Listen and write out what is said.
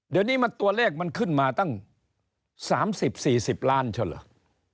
เดี๋ยวนี้ตัวเลขมันขึ้นมาตั้ง๓๐๔๐ล้านใช่เหรอ